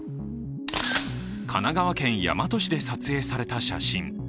神奈川県大和市で撮影された写真。